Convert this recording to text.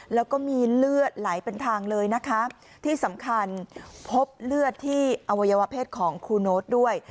แล้วก็มีเลือดไหลเป็นทางเลยนะคะที่สำคัญพบเลือดที่อวัยวะเพศของครูโน๊ตด้วย